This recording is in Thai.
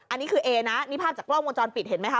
อันนี้คือเอนะนี่ภาพจากกล้องวงจรปิดเห็นไหมคะ